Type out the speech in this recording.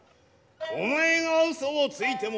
お前が嘘をついてもな